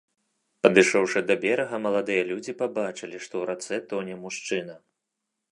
Падышоўшы да берага, маладыя людзі пабачылі, што ў рацэ тоне мужчына.